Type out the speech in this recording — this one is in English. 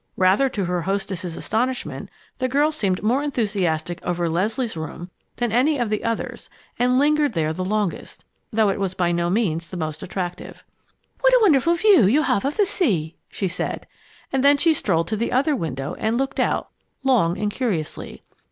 Rather to her hostess's astonishment, the girl seemed more enthusiastic over Leslie's room than any of the others and lingered there the longest, though it was by no means the most attractive. "What a wonderful view you have of the sea!" she said. And then she strolled to the other window and looked out, long and curiously.